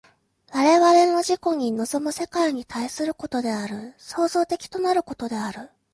我々の自己に臨む世界に対することである、創造的となることである。